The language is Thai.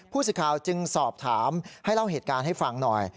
สิทธิ์ข่าวจึงสอบถามให้เล่าเหตุการณ์ให้ฟังหน่อย